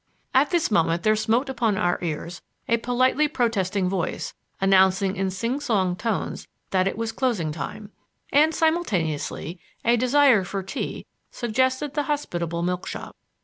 At this moment there smote upon our ears a politely protesting voice announcing in sing song tones that it was closing time; and simultaneously a desire for tea suggested the hospitable milk shop.